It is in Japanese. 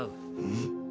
ん？